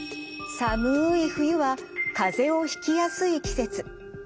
寒い冬はかぜをひきやすい季節。